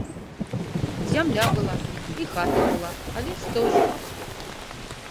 Зямля была, і хата была, але што ж!